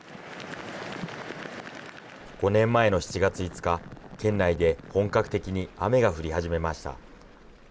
５年前の７月５日、県内で本格的に雨が降り始めました。